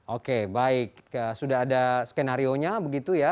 oke baik sudah ada skenario nya begitu ya